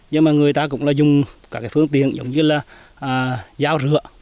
nhưng mà người ta cũng dùng các phương tiện giống như là dao rửa